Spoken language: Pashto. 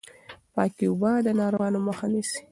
پاکې اوبه د ناروغیو مخه نيسي.